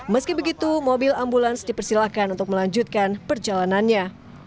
meski begitu mobil ambulans dipersilahkan untuk melanjutkan perjalanannya